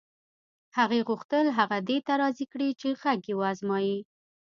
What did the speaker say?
هغې غوښتل هغه دې ته راضي کړي چې غږ یې و ازمایي